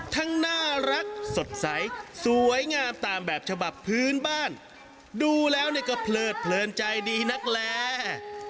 น่ารักสดใสสวยงามตามแบบฉบับพื้นบ้านดูแล้วก็เพลิดเพลินใจดีนักแล